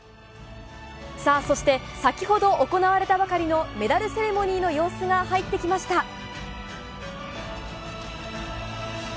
そして先ほど行われたばかりのメダルセレモニーの様子が入ってきました。